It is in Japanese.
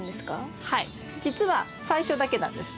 じつは最初だけなんです。